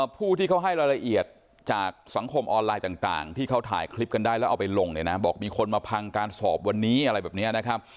ผู้ที่เขาให้รายละเอียดจากสังคมออนไลน์ต่างที่เขาถ่ายคลิปกันได้แล้วเอาไปลงเนี่ยนะบอกมีคนมาพังการสอบวันนี้อะไรแบบนี้นะครับ